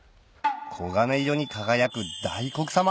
黄金色に輝く大黒様